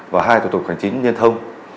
và hai tổ tục hành chính nhân thông